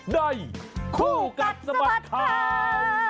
ได้คู่กัดสมัสข่าว